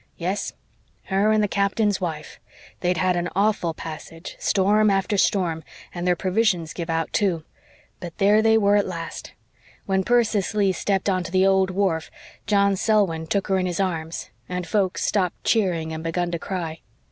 "Yes her and the captain's wife. They'd had an awful passage storm after storm and their provisions give out, too. But there they were at last. When Persis Leigh stepped onto the old wharf John Selwyn took her in his arms and folks stopped cheering and begun to cry.